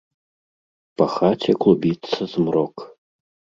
Па хаце клубіцца змрок.